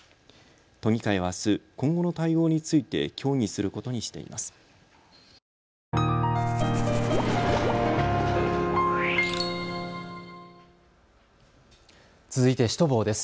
都議会はあす、今後の対応について協議することにしています。